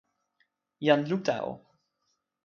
jan Luta o!